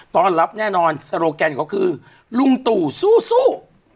ตอนรับแน่นอนโซโลแกนเขาคือลุงตู่สู้